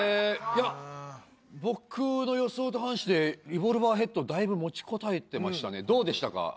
いや僕の予想と反してリボルバー・ヘッドだいぶ持ちこたえてましたねどうでしたか？